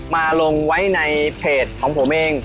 มาลงไว้ในเพจของผมเอง